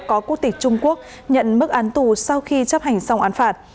có quốc tịch trung quốc nhận mức án tù sau khi chấp hành xong án phạt